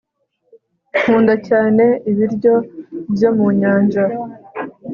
nkunda cyane ibiryo byo mu nyanja